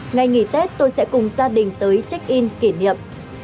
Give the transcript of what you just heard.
ngày nghỉ tết tôi sẽ cùng gia đình tới check in kỷ niệm